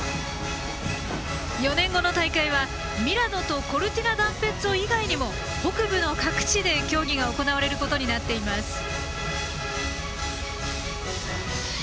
４年後の大会は、ミラノとコルティナダンペッツォ以外にも北部の各地で競技が行われることになっています。